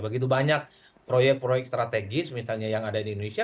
begitu banyak proyek proyek strategis misalnya yang ada di indonesia